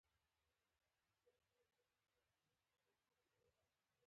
زه له تجربو زده کړه مهمه بولم.